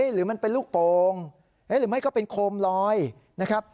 หรือมันเป็นลูกโป่งหรือไม่ก็เป็นโคมลอยนะครับ